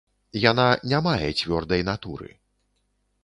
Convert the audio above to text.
Яна не мае цвёрдай натуры.